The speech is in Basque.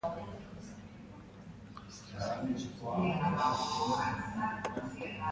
Hala ere Aragoiko konderriak bere izaera propioa mantendu zuen.